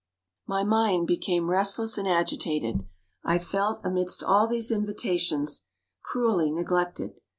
My mind became restless and agitated. I felt, amidst all these invitations, cruelly neglected.